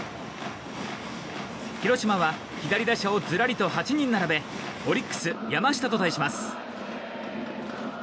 広島は、左打者をずらりと８人並べオリックス、山下と対します。